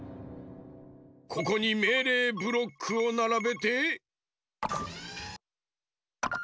ここにめいれいブロックをならべて。